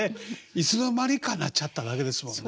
いつの間にかなっちゃっただけですもんね。